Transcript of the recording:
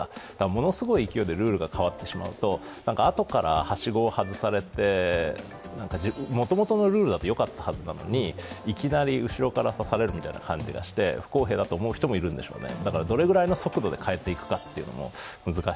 ものすごい勢いでルールが変わってしまうとあとからはしごを外されてもともとのルールだと良かったはずなのに、いきなり後ろから刺されるような気がして不公平だと思う人もいるんでしょうね。